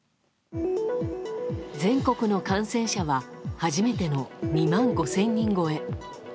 全国の感染者は初めての２万５０００人超え。